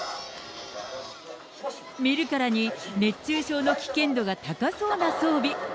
見るからに熱中症の危険度が高そうな装備。